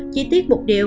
chỉ tiếc một điều